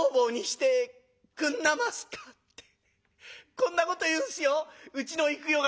こんなこと言うんすようちの幾代が」。